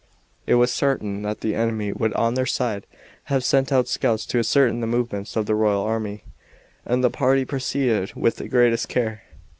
It was certain that the enemy would on their side have sent out scouts to ascertain the movements of the royal army, and the party proceeded with the greatest care.